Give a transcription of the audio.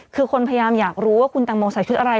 คือคนพยายามอยากรู้ว่าคุณตังโมใส่ชุดอะไร